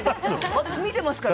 私見てますから。